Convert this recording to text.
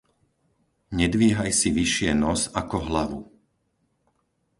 Nedvíhaj si vyššie nos, ako hlavu.